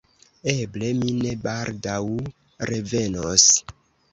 Eble, mi ne baldaŭ revenos.